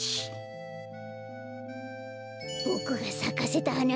ボクがさかせたはな